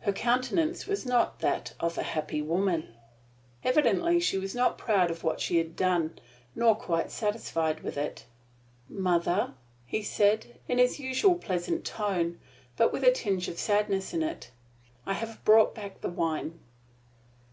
Her countenance was not that of a happy woman. Evidently she was not proud of what she had done, nor quite satisfied with it. "Mother," he said, in his usual pleasant tone, but with a tinge of sadness in it, "I have brought back the wine."